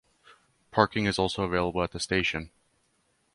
Parking is also available at the station.